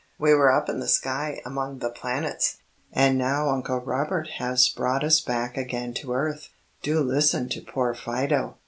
We were up in the sky among the planets, and now Uncle Robert has brought us back again to earth. Do listen to poor Fido."